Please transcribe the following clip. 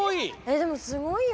でもすごいよ。